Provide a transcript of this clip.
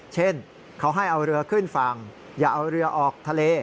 เช่นเขาให้เอาเรือขึ้นฝั่งอย่าเอาเรือออกทะเล